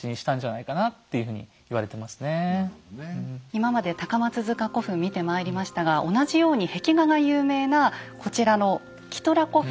今まで高松塚古墳見てまいりましたが同じように壁画が有名なこちらのキトラ古墳。